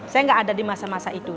saya nggak ada di masa masa itu